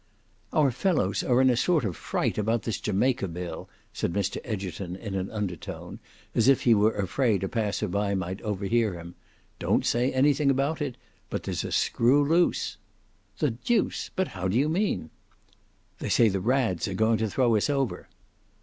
"Our fellows are in a sort of fright about this Jamaica bill," said Mr Egerton in an undertone, as if he were afraid a passer by might overhear him. "Don't say anything about it, but there's a screw loose." "The deuce! But how do you mean?" "They say the Rads are going to throw us over."